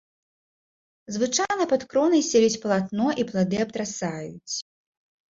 Звычайна пад кронай сцелюць палатно і плады абтрасаюць.